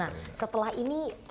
nah setelah ini